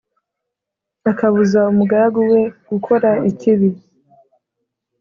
akabuza umugaragu we gukora ikibi.